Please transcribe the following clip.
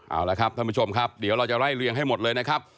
เอาละครับท่านผู้ชมครับเดี๋ยวเราจะไล่เรียงให้หมดเลยนะครับ